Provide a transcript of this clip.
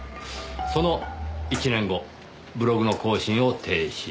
その１年後ブログの更新を停止。